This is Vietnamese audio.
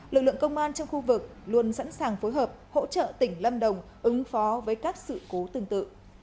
lực lượng công an trong khu vực luôn sẵn sàng phối hợp hỗ trợ tỉnh lâm đồng ứng phó với các sự cố tương tự